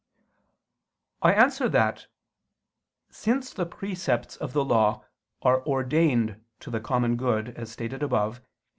I answer that, Since the precepts of the Law are ordained to the common good, as stated above (Q.